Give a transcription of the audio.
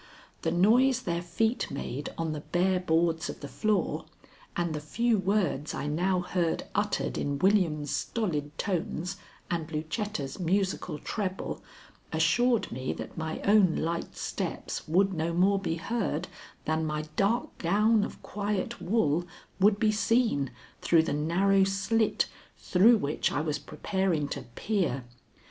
The noise their feet made on the bare boards of the floor and the few words I now heard uttered in William's stolid tones and Lucetta's musical treble assured me that my own light steps would no more be heard, than my dark gown of quiet wool would be seen through the narrow slit through which I was preparing to peer.